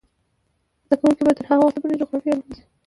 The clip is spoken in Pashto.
زده کوونکې به تر هغه وخته پورې جغرافیه لولي.